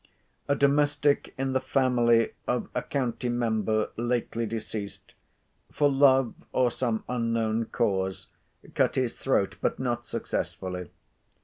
A domestic in the family of a county member lately deceased, for love, or some unknown cause, cut his throat, but not successfully.